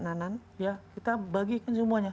nanan ya kita bagikan semuanya